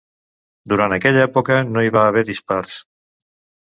Durant aquella època no hi va haver dispars.